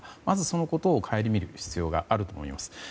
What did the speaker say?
まずそのことを省みる必要があると思います。